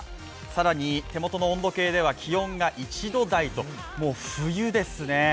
更に手元の温度計では気温が１度台と、もう冬ですね。